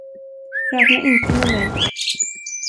Räkna inte med mig.